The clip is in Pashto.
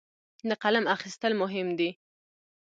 د قلم اخیستل مهم دي.